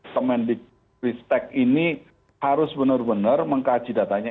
kemendiktec ini harus benar benar mengkaji datanya